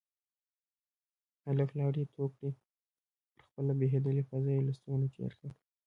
هلک لاړې تو کړې، پر خپله بهيدلې پزه يې لستوڼی تير کړ.